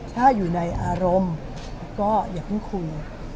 ถ้าอยู่ในอารมณ์ก็อย่าเพิ่งคุย